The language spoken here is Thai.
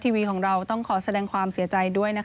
ทีวีของเราต้องขอแสดงความเสียใจด้วยนะคะ